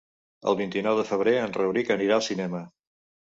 El vint-i-nou de febrer en Rauric anirà al cinema.